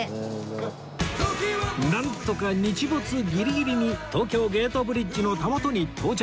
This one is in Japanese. なんとか日没ギリギリに東京ゲートブリッジのたもとに到着！